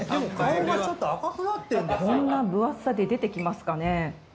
こんな分厚さで出てきますかね。